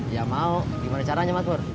ya mau gimana caranya mas kur